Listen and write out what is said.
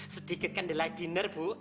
sedikit kan di lai dinner bu